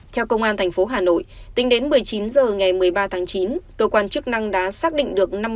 theo công an thành phố hà nội tính đến một mươi chín h ngày một mươi ba tháng chín cơ quan chức năng đã xác định được